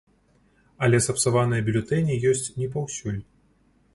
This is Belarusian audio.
Але сапсаваныя бюлетэні ёсць не паўсюль.